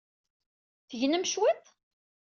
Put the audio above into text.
Tegnem cwiṭ?